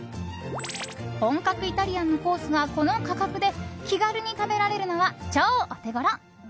本格イタリアンのコースがこの価格で気軽に食べられるのは超オテゴロ！